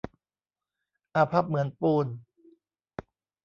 อาภัพเหมือนปูน